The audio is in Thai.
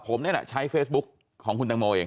ผมนี่แหละใช้เฟซบุ๊กของคุณตังโมเอง